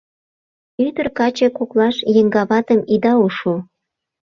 Ӱдыр-каче коклаш еҥгаватым ида ушо